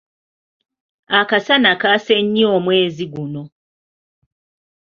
Akasana kaase nnyo omwezi guno.